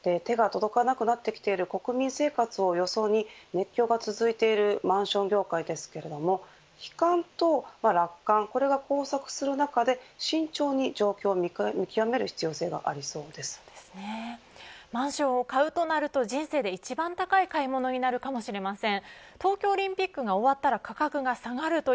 手が届かなくなってきている国民の生活をよそに熱狂が続いているマンション業界ですが悲観と楽観これが交錯する中で慎重に状況を見極める必要性がマンションを買うとなると人生で一番高い買い物になるかもしれません。